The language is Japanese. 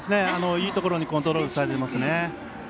いいところにコントロールされていますね。